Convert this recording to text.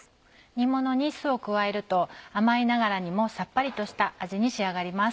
煮ものに酢を加えると甘いながらにもさっぱりとした味に仕上がります。